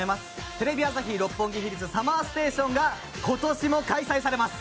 「テレビ朝日・六本木ヒルズＳＵＭＭＥＲＳＴＡＴＩＯＮ」が今年も開催されます。